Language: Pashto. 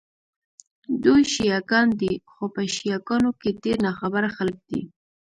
دوی شیعه ګان دي، خو په شیعه ګانو کې ډېر ناخبره خلک دي.